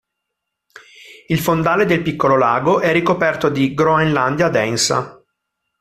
Il fondale del piccolo lago è ricoperto di "Groenlandia densa".